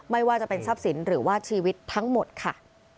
ไม่ว่าจะเป็นทรัพย์สินหรือว่าชีวิตทั้งหมดค่ะ